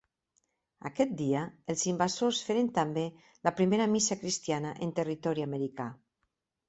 Aquest dia els invasors feren també la primera missa cristiana en territori americà.